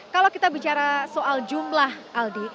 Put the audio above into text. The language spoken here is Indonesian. kalau kita bicara soal jumlah aldi